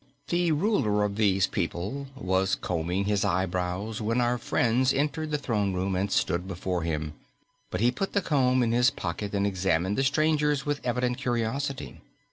The ruler of these people was combing his eyebrows when our friends entered the throne room and stood before him, but he put the comb in his pocket and examined the strangers with evident curiosity.